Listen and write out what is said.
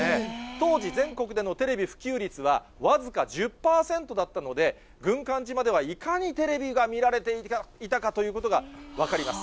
当時全国でのテレビ普及率は、僅か１０％だったので、軍艦島ではいかにテレビが見られていたかということが分かります。